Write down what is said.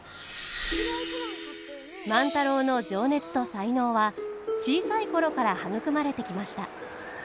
万太郎の情熱と才能は小さい頃から育まれてきました。